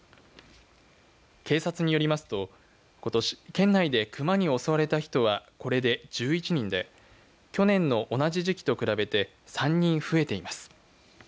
警察によりますと、ことし県内でクマに襲われた人はこれで１１人で去年の同じ時期と比べて３人増えています。